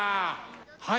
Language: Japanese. はい。